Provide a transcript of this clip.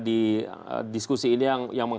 ada dua pengamat